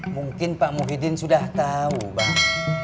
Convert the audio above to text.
mungkin pak muhyiddin sudah tahu pak